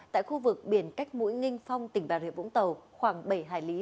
tại khu vực biển cách mũi nginh phong tỉnh bà rịa vũng tàu khoảng bảy hải lý